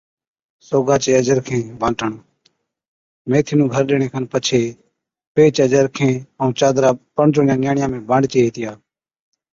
سوگا چين اجرکين بانٽڻ، ميٿِي نُون گھر ڏيڻي کن پڇي ويھِچ اجرکين ائُون چادرا پڻجوڙِيا نِياڻِيا ۾ بانٽجي ھِتِيا